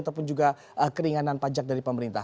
ataupun juga keringanan pajak dari pemerintah